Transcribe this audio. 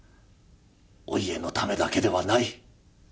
お家のためだけではない。